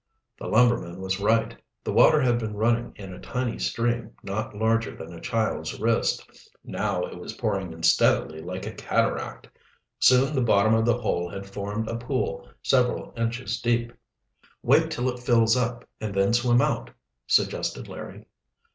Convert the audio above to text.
The lumberman was right, the water had been running in a tiny stream not larger than a child's wrist; now it was pouring in steadily like a cataract. Soon the bottom of the hole had formed a pool several inches deep. "Wait till it fills up and then swim out," suggested Larry.